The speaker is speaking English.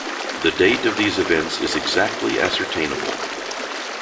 The date of these events is exactly ascertainable.